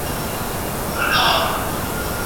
که وخت وي، درسونه اورم!!